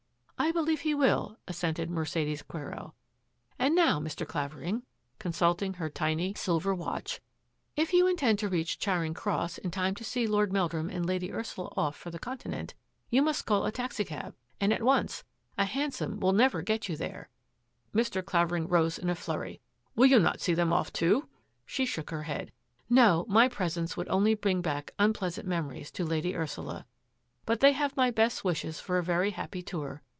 " I believe he will," assented Mercedes Quero, and now, Mr. Clavering," consulting her tiny, sil it 264 THAT AFFAIR AT THE MANOR ver watch, " if you intend to reach Charing Cross in time to see Lord Meldrum and Lady Ursula off for the Continent, you must call a taxicab — and at once ; a hansom will never get you there." Mr. Clavering rose in a flurry. " Will you not see them off, too? " She shook her head. " No ; my presence would only bring back unpleasant memories to Lady Ursula, but they have my best wishes for a very happy tour.